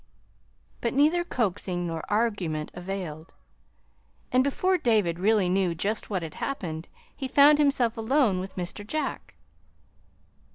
But neither coaxing nor argument availed; and before David really knew just what had happened, he found himself alone with Mr. Jack.